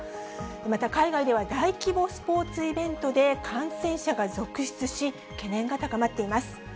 また、海外では大規模スポーツイベントで、感染者が続出し、懸念が高まっています。